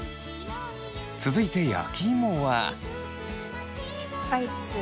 続いて焼きいもは。